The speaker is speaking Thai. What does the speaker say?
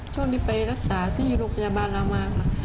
ช่วงนี้ไปรักษาที่โรคยาบาลลามาก